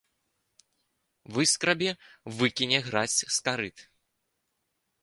Выскрабе, выкіне гразь з карыт.